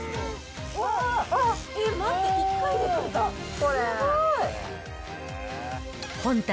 えっ、待って、１回で取れた。